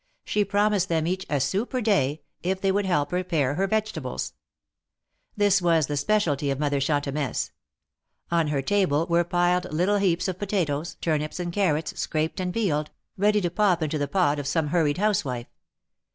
She promised them each a sou per day, if they would help her pare her vegetables. This was the specialty of Mother Chantemesse. On her table were piled little heaps of potatoes, turnips and carrots, scraped and peeled, ready to pop into the pot of some hurried housewife.